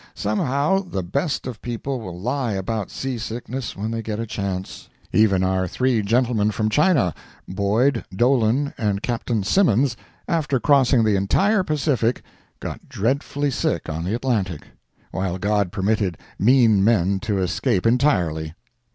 Somehow, the best of people will lie about seasickness when they get a chance. Even our three gentlemen from China—Boyd, Dolan and Captain Simmons—after crossing the entire Pacific, got dreadfully sick on the Atlantic, while God permitted mean men to escape entirely.